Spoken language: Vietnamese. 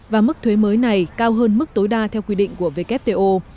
và mức thuế mới này cao hơn mức tối đa theo quy định của wto